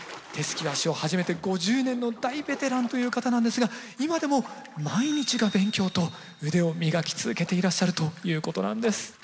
手すき和紙を始めて５０年の大ベテランという方なんですが今でも毎日が勉強と腕を磨き続けていらっしゃるということなんです。